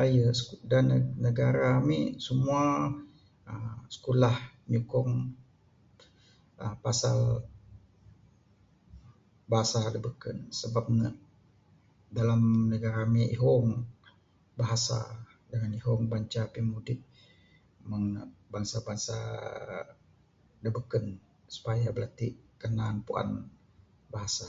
Aye dak negara ami semua aaa sikulah nyukong aaa pasal bahasa dak beken sebab ne dalam negara ami ihong bahasa dengan ihong banca pimudip mung ne bangsa-bangsa dak beken. Supaya bala ti kanan puan bahasa.